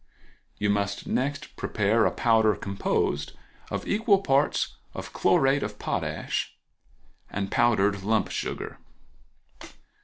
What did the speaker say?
You must next prepare a powder composed of equal parts of chlorate of potash and powdered lump sugar.